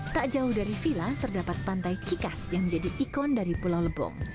tak jauh dari villa terdapat pantai cikas yang menjadi ikon dari pulau lebong